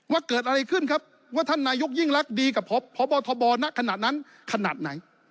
ว่าเกิดอะไรขึ้นครับว่าท่านนายกยิ่งรักดีกับพบทบณขณะนั้นขนาดไหน